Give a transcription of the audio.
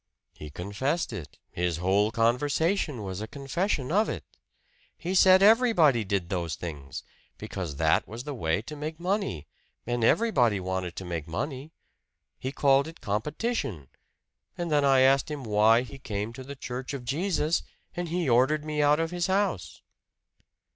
"He confessed it his whole conversation was a confession of it. He said everybody did those things, because that was the way to make money, and everybody wanted to make money. He called it competition. And then I asked him why he came to the church of Jesus, and he ordered me out of his house."